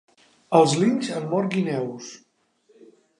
Els linxs han mort guineus.